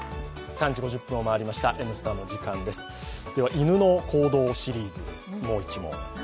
犬の行動シリーズ、もう１問。